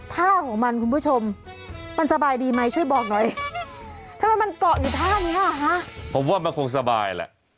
ท่าของมันคุณผู้ชมมันสบายดีมั้ยช่วยบอกหน่อย